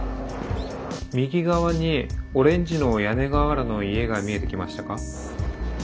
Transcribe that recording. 右側にオレンジの屋根瓦の家が見えてきましたか？